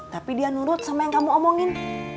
tapi dia nurut sama yang kamu omongin